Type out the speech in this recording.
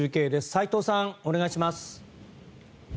齋藤さん、お願いします。